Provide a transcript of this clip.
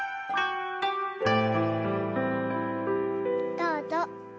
どうぞ。